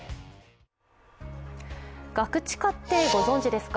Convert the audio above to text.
ガクチカってご存じですか？